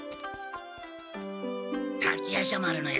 滝夜叉丸のヤツ